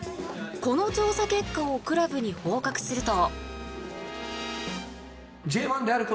この調査結果をクラブに報告すると。